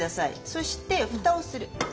そして蓋をする。